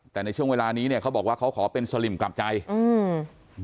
แต่ในช่วงเวลานี้เนี้ยเขาบอกว่าเขาขอเป็นสลิมกลับใจอืม